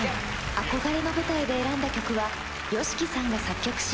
憧れの舞台で選んだ曲はＹＯＳＨＩＫＩさんが作曲し